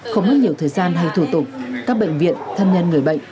không mất nhiều thời gian hay thủ tục các bệnh viện thân nhân người bệnh